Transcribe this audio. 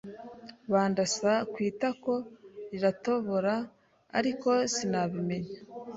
bandasa ku itako riratobora ariko sinabimenya